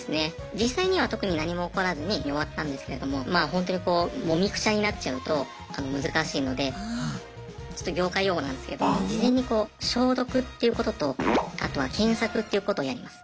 実際には特に何も起こらずに終わったんですけれどもまあホントにこうもみくちゃになっちゃうと難しいのでちょっと業界用語なんですけど事前にこう消毒っていうこととあとは検索っていうことをやります。